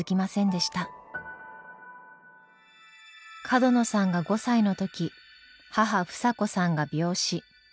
角野さんが５歳の時母房子さんが病死。